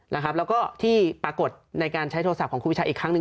แล้วก็ที่ปรากฏในการใช้โทรศัพท์ของครูปีชาอีกครั้งหนึ่ง